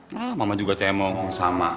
nah mama juga cemo sama